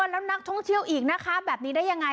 แล้วนักท่องเที่ยวอีกนะคะแบบนี้ได้ยังไง